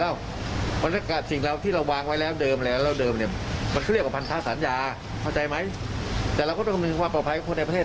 เราก็ต้องมีความปลอบภัยกับคนในประเทศ